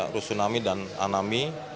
rusunami dan anami